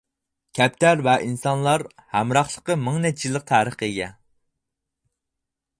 كەپتەر ۋە ئىنسانلار ھەمراھلىقى مىڭ نەچچە يىللىق تارىخقا ئىگە.